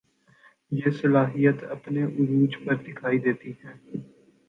یہ صلاحیت اپنے عروج پر دکھائی دیتی ہے